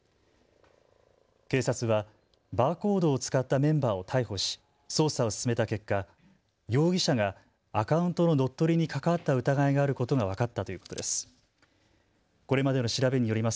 警察はバーコードを使ったメンバーを逮捕し捜査を進めた結果、容疑者がアカウントの乗っ取りに関わった疑いがあることが分かったということです。